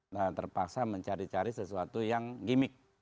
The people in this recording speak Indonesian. nah terpaksa mencari cari sesuatu yang gimmick